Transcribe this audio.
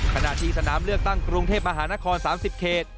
ขณะที่สนามเลือกตั้งกรุงเทพมหานคร๓๐เขต